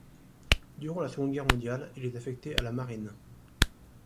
Durant la seconde guerre mondiale il est affecté à la marine.